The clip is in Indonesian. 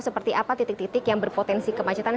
seperti apa titik titik yang berpotensi kemacetan